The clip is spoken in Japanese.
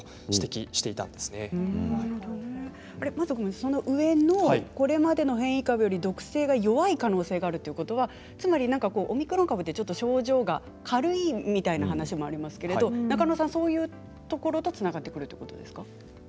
その上のこれまでの変異株より毒性が弱い可能性があるということはつまりオミクロン株って症状が軽いみたいな話がありますけどそういうところとつながってくるということですか。